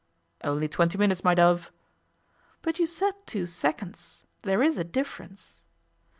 'Only twenty minutes, my dove.' 'But you said two seconds. There is a difference.